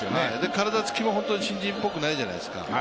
体つきも本当に新人っぽくないじゃないですか。